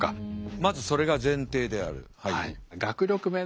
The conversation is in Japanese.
まずそれが前提である。